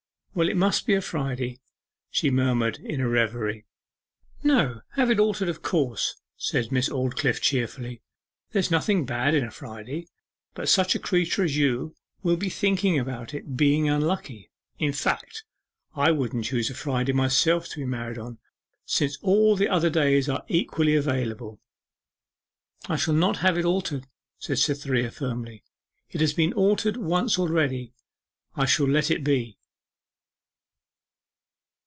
'Well, it must be a Friday,' she murmured in a reverie. 'No: have it altered, of course,' said Miss Aldclyffe cheerfully. 'There's nothing bad in Friday, but such a creature as you will be thinking about its being unlucky in fact, I wouldn't choose a Friday myself to be married on, since all the other days are equally available.' 'I shall not have it altered,' said Cytherea firmly; 'it has been altered once already: I shall let it be.